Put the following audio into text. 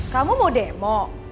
kamu mau demo